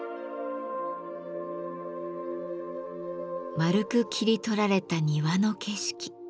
円く切り取られた庭の景色。